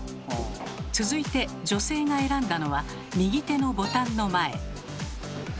続いて女性が選んだのは右手のボタンの前。